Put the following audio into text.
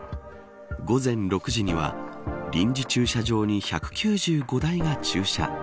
午前６時には臨時駐車場に１９５台が駐車。